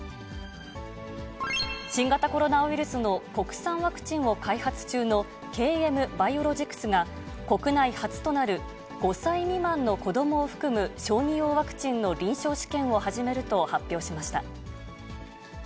新型コロナウイルスの国産ワクチンを開発中の、ＫＭバイオロジクスが国内初となる５歳未満の子どもを含む小児用ワクチンの臨床試験を始めると発表しました。